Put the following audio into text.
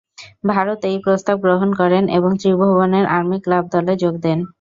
ভরত এই প্রস্তাব গ্রহণ করেন এবং ত্রিভুবন আর্মি ক্লাব দলে যোগ দেন।